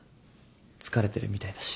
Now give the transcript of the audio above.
疲れてるみたいだし。